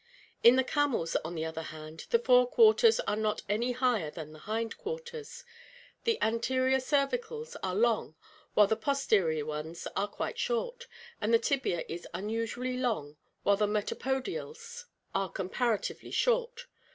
"In the camels, on the other hand, the fore quarters are not any higher than the hind quarters, the anterior cervicals are long while the posterior ones are quite short, and the tibia is unusually long while the metapodials CAMELS 639 are comparatively short.